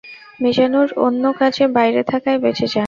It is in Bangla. মিজানুর অন্য কাজে বাইরে থাকায় বেঁচে যান।